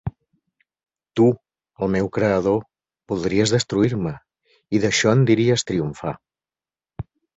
Tu, el meu creador, voldries destruir-me, i d'això en diries triomfar.